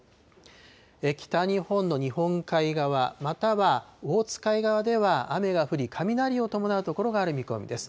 北日本の日本海側、またはオホーツク海側では雨が降り、雷を伴う所がある見込みです。